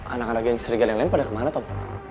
anak anak yang serigala yang lain pada kemana tom